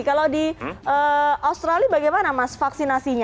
kalau di australia bagaimana mas vaksinasinya